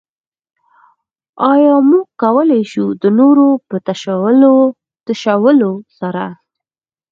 ايا موږ کولای شو د نورو په تشولو سره.